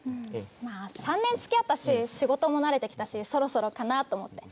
まあ３年付き合ったし仕事も慣れてきたしそろそろかなと思って。